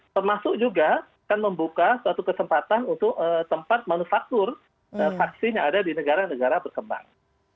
termasuk juga akan membuka suatu kesempatan untuk tempat manufaktur vaksin yang ada di negara negara berkembang